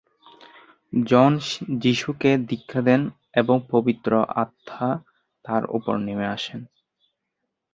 জন যিশুকে দীক্ষা দেন এবং পবিত্র আত্মা তাঁর উপর নেমে আসেন।